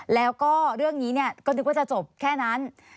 แล้วก็เรื่องนี้ก็นึกว่าจะจบแค่นั้น